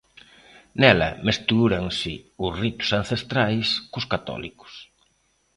Nela mestúranse os ritos ancestrais cos católicos.